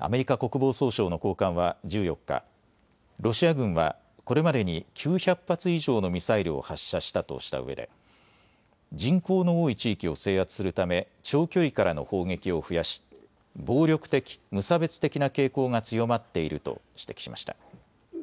アメリカ国防総省の高官は１４日、ロシア軍は、これまでに９００発以上のミサイルを発射したとしたうえで人口の多い地域を制圧するため長距離からの砲撃を増やし暴力的、無差別的な傾向が強まっていると指摘しました。